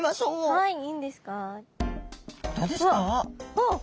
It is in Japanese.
あっ。